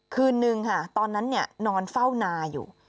คืนนึงค่ะตอนนั้นนอนเฝ้านาอยู่